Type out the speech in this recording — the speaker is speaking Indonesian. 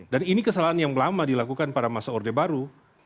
dan ini kesalahan yang lama dilakukan pada masa orde baru